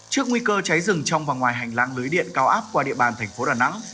trước nguy cơ cháy rừng trong và ngoài hành lang lưới điện cao áp qua địa bàn thành phố đà nẵng